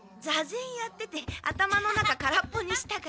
坐禅やってて頭の中空っぽにしたから。